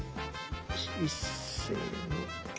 いっせの。